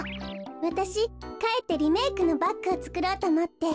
わたしかえってリメークのバッグをつくろうとおもって。